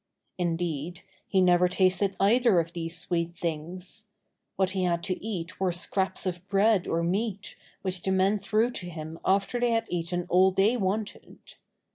Indeed, he nevei tasted either of these sweet things. \Yhat he had to eat were scraps of bread or meat which the men threw to him after they had eaten all they wanted.